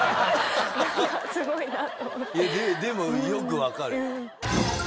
でもよく分かる。